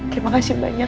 terima kasih banyak